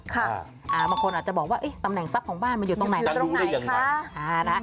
บางคนอาจจะบอกว่าตำแหน่งทรัพย์ของบ้านมันอยู่ตรงไหน